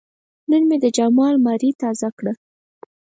نن مې د جامو الماري تازه کړه.